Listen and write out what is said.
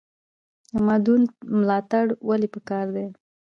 د مادون ملاتړ ولې پکار دی؟